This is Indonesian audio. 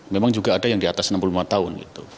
memang juga ada yang di atas enam puluh lima tahun